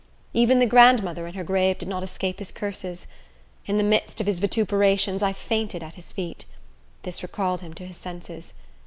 Even the grandmother in her grave did not escape his curses. In the midst of his vituperations I fainted at his feet. This recalled him to his senses.